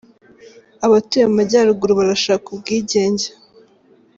Abatuye Amajyaruguru barashaka ubwigenge